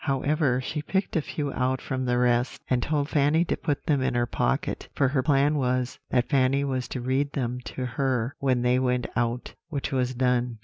However, she picked a few out from the rest, and told Fanny to put them in her pocket; for her plan was, that Fanny was to read them to her when they went out, which was done.